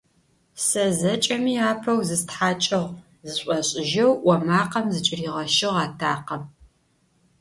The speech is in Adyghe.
Сэ зэкӏэми апэу зыстхьакӏыгъ, - зышӏошӏыжьэу ӏо макъэм зыкӏыригъэщыгъ атакъэм.